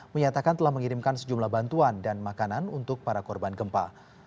menyatakan telah mengirimkan sejumlah bantuan dan makanan untuk para korban gempa